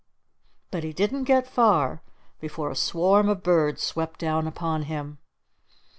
But he didn't get far before a swarm of birds swept down upon him.